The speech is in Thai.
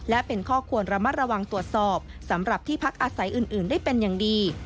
และเป็นข้อควรระมัดระวังตรวจสอบสำหรับที่พักอาศัยอื่นได้เป็นอย่างดี